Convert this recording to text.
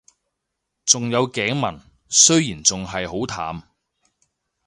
仲有頸紋，雖然仲係好淡